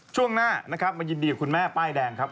ช่วงหน้านะครับมายินดีกับคุณแม่ป้ายแดงครับ